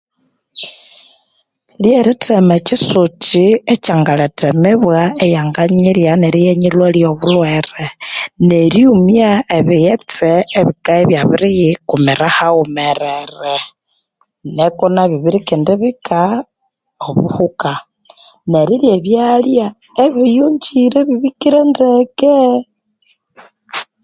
Lyerithema ekyisukyi ekyangaletha emibwa eyanganyirya Neryo yanyilhwalya obulhwere neryumya ebighetse ebikabya ebyabiriyikumira haghumerere niku birikendibika obuhuka nerirya ebyalya ebiyonjire ebibikire ndeke eh